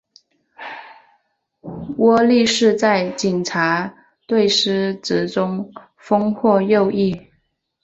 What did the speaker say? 窝利士在警察队司职中锋或右翼。